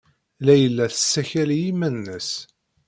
Layla tessakel i yiman-nnes.